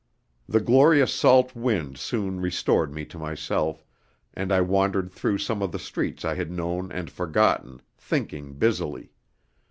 The glorious salt wind soon restored me to myself, and I wandered through some of the streets I had known and forgotten, thinking busily.